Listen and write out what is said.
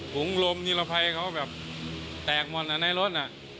หุงลมนิลภัยของเขาแบบแตกมวลอะในรถอะ